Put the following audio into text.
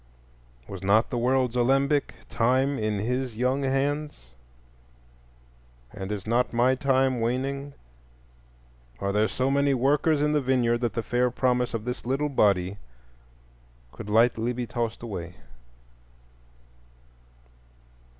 Was not the world's alembic, Time, in his young hands, and is not my time waning? Are there so many workers in the vineyard that the fair promise of this little body could lightly be tossed away?